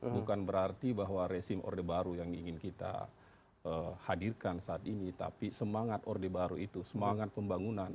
bukan berarti bahwa resim orde baru yang ingin kita hadirkan saat ini tapi semangat orde baru itu semangat pembangunan